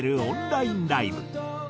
オンラインライブ。